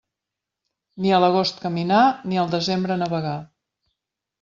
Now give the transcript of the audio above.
Ni a l'agost caminar, ni al desembre navegar.